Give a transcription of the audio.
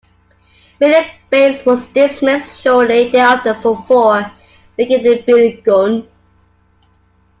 Billy Bates was dismissed shortly thereafter for four, bringing in Billy Gunn.